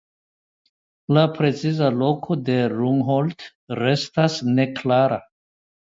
La preciza loko de Rungholt restas neklara.